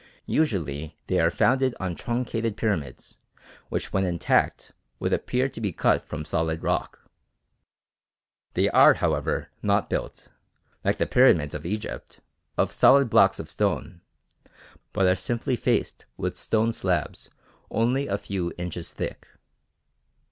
Usually they are founded on truncated pyramids which when intact would appear to be cut from solid rock. They are however not built, like the pyramids of Egypt, of solid blocks of stone, but are simply faced with stone slabs only a few inches thick.